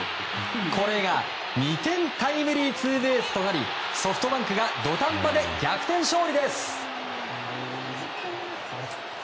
これが２点タイムリーツーベースとなりソフトバンクが土壇場で逆転勝利です！